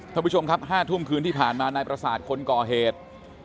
ท่านผู้ชมครับ๕ทุ่มคืนที่ผ่านมานายประสาทคนก่อเหตุ